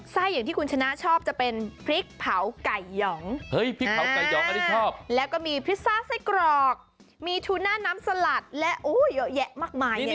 ไส้อย่างที่คุณชนะชอบจะเป็นพริกเผาไก่หย่องแล้วก็มีพริซซ่าไส้กรอกมีทูน่าน้ำสลัดแล้วเยอะแยะมากมาย